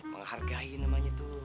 menghargai namanya tuh